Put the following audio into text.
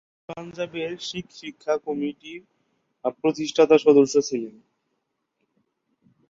তিনি পাঞ্জাবের শিখ শিক্ষা কমিটির প্রতিষ্ঠাতা সদস্য ছিলেন।